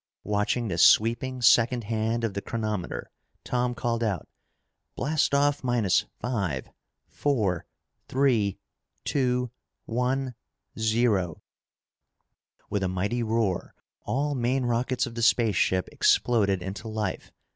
Watching the sweeping second hand of the chronometer, Tom called out, "Blast off minus five four three two one zero!" With a mighty roar, all main rockets of the spaceship exploded into life.